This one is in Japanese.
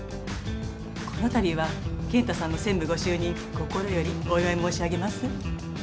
このたびは健太さんの専務ご就任心よりお祝い申し上げます。